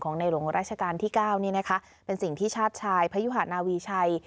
ของในหลวงราชการที่๙เป็นสิ่งที่ชัดชายพยุหานาวีชัย